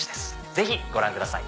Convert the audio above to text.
ぜひご覧ください。